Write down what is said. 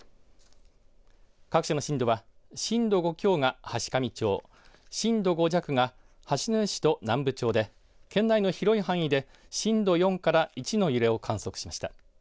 各地の震度は、震度５強が階上町震度５弱が八戸市と南部町で県内の広い範囲で震度４から１の揺れを観測しました。